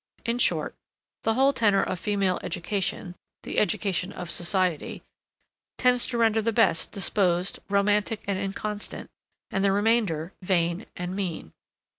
In short, the whole tenor of female education (the education of society) tends to render the best disposed, romantic and inconstant; and the remainder vain and mean.